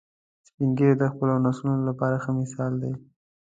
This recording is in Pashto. سپین ږیری د خپلو نسلونو لپاره ښه مثال دي